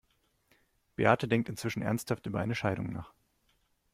Beate denkt inzwischen ernsthaft über eine Scheidung nach.